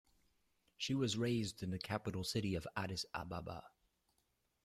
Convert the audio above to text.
She was raised in the capital city of Addis Ababa.